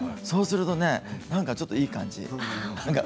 そうするとねなんかちょっと、いい感じ。